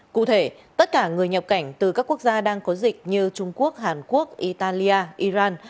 cụ thể tất cả người nhập cảnh từ các quốc gia đang có dịch như trung quốc hàn quốc italia iran